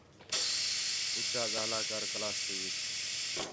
اُچّا ڳاہلا کر کلاس تی وِچ